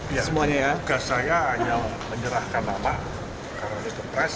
iya tugas saya hanya menyerahkan nama karena di depresi